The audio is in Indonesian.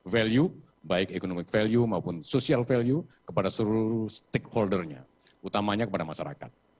value baik economic value maupun social value kepada seluruh stakeholdernya utamanya kepada masyarakat